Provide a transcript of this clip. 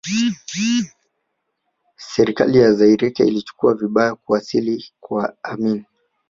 Serikali ya Zairea ilichukulia vibaya kuwasili kwa Amin